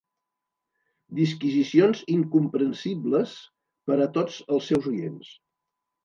Disquisicions incomprensibles per a tots els seus oients.